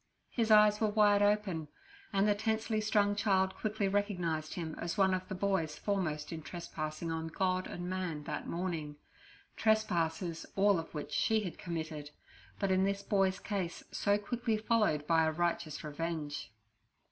His eyes were wide open, and the tensely—strung child quickly recognised him as one of the boys foremost in trespassing on God and man that morning, trespasses all of which she had committed, but in this boy's case so quickly followed by a righteous revenge.